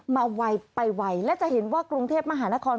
ไวไปไวและจะเห็นว่ากรุงเทพมหานคร